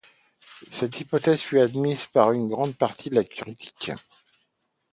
Cette hypothèse fut admise par une grande partie de la critique.